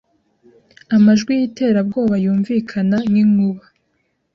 amajwi yiterabwoba Yunvikana nkinkuba